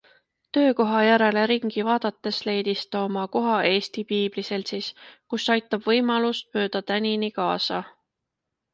Töökoha järele ringi vaadates leidis ta oma koha Eesti Piibliseltsis, kus aitab võimalust mööda tänini kaasa.